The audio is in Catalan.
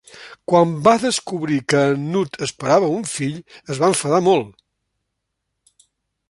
Quan va descobrir que en Nut esperava un fill, es va enfadar molt.